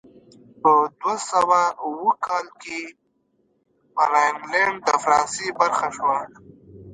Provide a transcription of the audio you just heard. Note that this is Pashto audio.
په دوه سوه اووه کال کې راینلنډ د فرانسې برخه شوه.